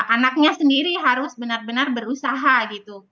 anaknya sendiri harus benar benar berusaha gitu